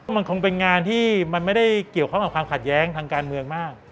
มันคงเป็นงานที่มันไม่ได้เกี่ยวข้องกับความขัดแย้งทางการเมืองมาก